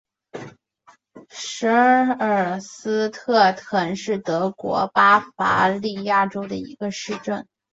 舍尔斯特滕是德国巴伐利亚州的一个市镇。